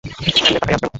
এমনে তাকায়া আছো কেনো?